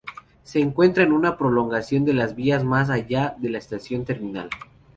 Se encuentran en una prolongación de las vías más allá de la estación terminal.